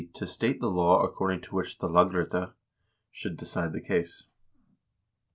to state the law according to which the lagrette should decide the case.